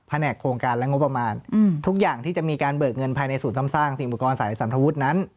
แหนกโครงการและงบประมาณทุกอย่างที่จะมีการเบิกเงินภายในศูนย์ซ่อมสร้างสิ่งอุปกรณ์สายสันทวุฒินั้น